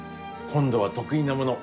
今度は得意なもの